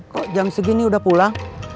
kok jam segini udah pulang